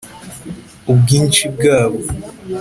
ubwinshi bwabo